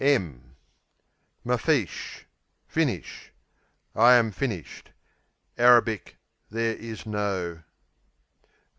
Mafeesh Finish; I am finished. [Arabic "there is no.."